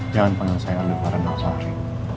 jangan panggil saya aldo farah dan afahri